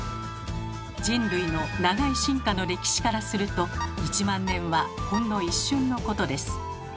人類の長い進化の歴史からすると１万年はほんの一瞬のことです。